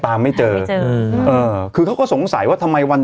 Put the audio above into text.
ตามไม่เจอคือเขาก็สงสัยว่าทำไมวัน